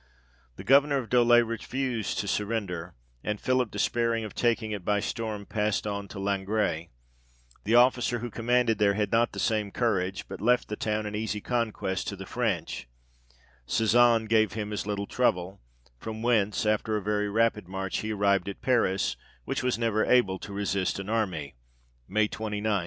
The governour of Dole refused to surrender, and Philip despairing of taking it by storm, passed on to Langres : the officer who commanded there had not the same courage, but left the town an easy conquest to the French ; Sezanne gave him as little trouble ; from whence, after a very rapid march, he arrived at Paris, which was never able to resist an army (May 29, 1920).